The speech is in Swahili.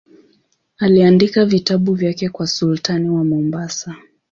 Aliandika vitabu vyake kwa sultani wa Mombasa.